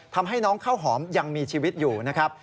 ทำให้น้องข้าวหอมยังมีชีวิตอยู่นะครับ